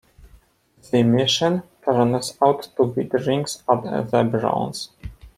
The mission turns out to be drinks at The Bronze.